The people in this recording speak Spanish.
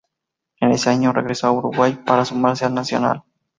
En ese año regresó a Uruguay para sumarse al Nacional.